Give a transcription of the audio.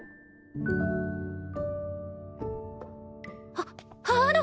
あっあの！